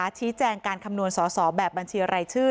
ชี้แจงการคำนวณสอสอแบบบัญชีรายชื่อ